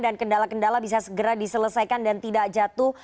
kendala kendala bisa segera diselesaikan dan tidak jatuh